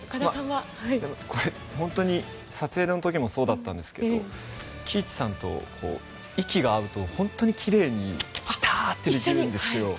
本当に撮影の時もそうだったんですが貴一さんと息が合うと本当に奇麗にピタッとできるんですよ。